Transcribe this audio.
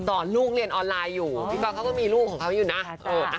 สอนลูกเรียนออนไลน์อยู่พี่ก๊อตเขาก็มีลูกของเขาอยู่นะ